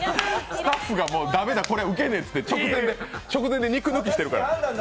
スタッフが駄目だ、これウケねぇって、直前で肉抜きしてるから。